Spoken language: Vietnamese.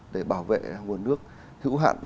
để bảo vệ nguồn nước hữu hạn